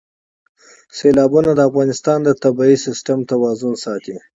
سیلابونه د افغانستان د طبعي سیسټم توازن ساتي.